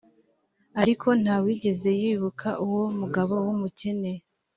e ariko nta wigeze yibuka uwo mugabo w umukene